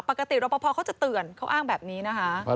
รอปภเขาจะเตือนเขาอ้างแบบนี้นะคะ